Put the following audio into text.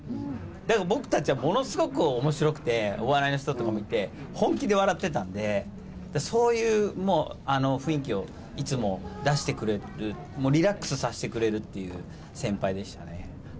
だから僕たちはものすごくおもしろくて、お笑いの人とかもいて、本気で笑ってたんで、だからそういうもう、雰囲気をいつも出してくれる、リラックスさせてくれるっていう先輩でしたね。